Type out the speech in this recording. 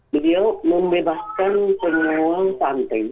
beliau membebaskan penguang pantai